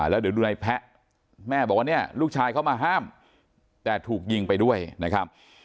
แล้วเดี๋ยวดูในแพะแม่บอกว่าเนี่ยลูกชายเขามาห้ามแต่ถูกยิงไปด้วยนะครับ